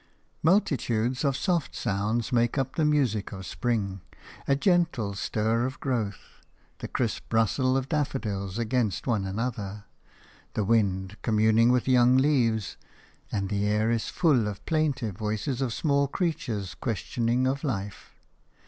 Multitudes of soft sounds make up the music of spring – a gentle stir of growth, the crisp rustle of daffodils against one another, the wind communing with young leaves; and the air is full of plaintive voices of small creatures questioning of life.